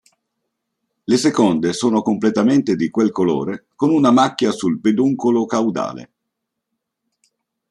Le seconde sono completamente di quel colore con una macchia sul peduncolo caudale.